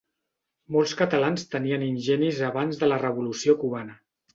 Molts catalans tenien ingenis abans de la revolució cubana.